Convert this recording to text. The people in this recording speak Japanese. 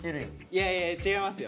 いやいや違いますよ。